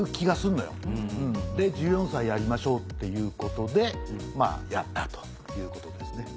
１４歳やりましょうっていうことでやったということですね。